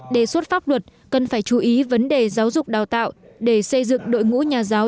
đề xuất pháp luật cần phải chú ý vấn đề giáo dục đào tạo để xây dựng đội ngũ nhà giáo